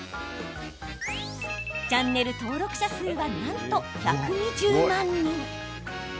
チャンネル登録者数はなんと１２０万人。